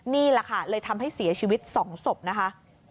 นี่แหละค่ะเลยทำให้เสียชีวิต๒ศพนะคะ